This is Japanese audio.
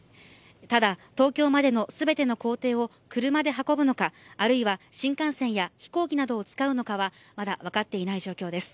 ただ東京までの全ての行程を車で運ぶのかあるいは、新幹線や飛行機などを使うのかはまた分かっていない状況です。